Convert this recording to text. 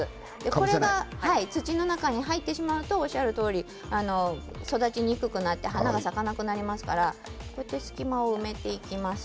これが土の中に入ってしまうと育ちにくくなって花が咲かなくなりますから隙間を埋めていきます。